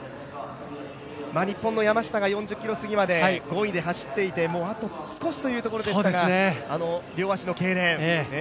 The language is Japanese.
日本の山下が４０ｋｍすぎまで５位で走っていて、あともう少しというところでしたが両足のけいれん。